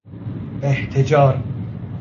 احتجار